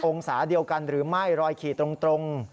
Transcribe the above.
องศาเดียวกันหรือไม่รอยขี่ตรง